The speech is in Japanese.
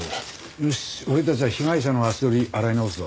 よし俺たちは被害者の足取り洗い直すぞ。